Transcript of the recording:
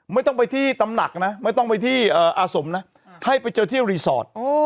ไม่ต้องไปที่ตำหนักนะไม่ต้องไปที่อาสมนะให้ไปเจอที่รีสอร์ท